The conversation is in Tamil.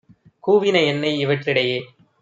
கூவின என்னை! - இவற்றிடையே